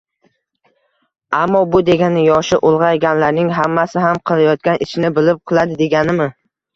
Ammo bu degani yoshi ulg‘ayganlarning hammasi ham qilayotgan ishini bilib qiladi, deganimi?